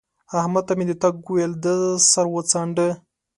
احمد ته مې د تګ وويل؛ ده سر وڅانډه